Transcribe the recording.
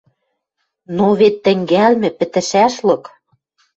Но вет тӹнгӓлмӹ пӹтӹшӓшлык